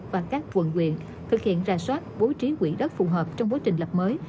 và các quận quyền thực hiện ra soát bố trí quỹ đất phù hợp trong bố trình lập mới